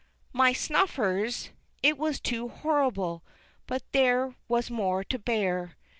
My snuffers! It was too horrible; but there was more to bear.